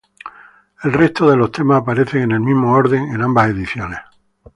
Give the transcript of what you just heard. El resto de temas aparecen en el mismo orden en ambas ediciones.